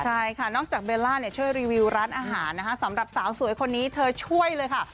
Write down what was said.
ใช่ค่ะนอกจากเบลล่าช่วยรีวิวร้านอาหารนะคะสำหรับสาวสวยคนนี้เธอช่วยเลยค่ะ